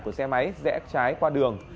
của xe máy rẽ trái qua đường